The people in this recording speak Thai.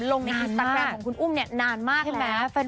ของคุณอุ้มนานมากแล้ว